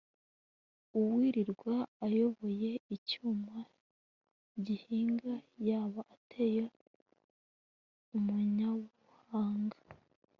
uwirirwa ayoboye icyuma gihinga yaba ate umunyabuhanga